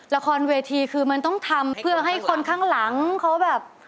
ละครเวทีคือมันต้องทำเพื่อให้คนข้างหลังเขาแบบ